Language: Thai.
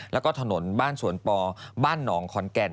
แล้วก็ถนนบ้านสวนปอบ้านหนองขอนแก่น